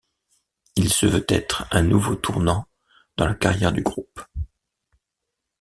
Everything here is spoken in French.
Il se veut être un nouveau tournant dans la carrière du groupe.